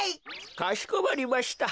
かしこまりました。